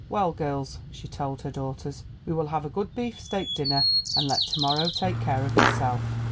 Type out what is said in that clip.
"Well, girls," she told her daughters, "we will have a good beefsteak dinner and let to morrow take care of itself."